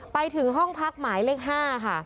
ไปถึงห้องพักหมายเลข๕ค่ะ